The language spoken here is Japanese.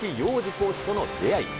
コーチとの出会い。